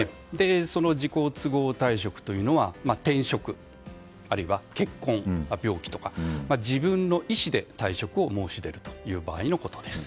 その自己都合退職というのは転職、あるいは結婚病気とか、自分の意思で退職を申し出る場合です。